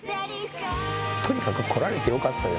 とにかく来られてよかったです。